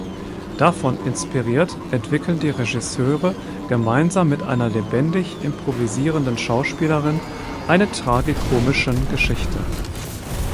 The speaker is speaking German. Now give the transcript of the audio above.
Davon inspiriert entwickeln die Regisseure gemeinsam mit einer lebendig improvisierenden Schauspielerin eine tragikomischen Geschichte.